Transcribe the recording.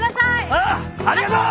ああありがとう！